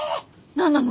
何なの？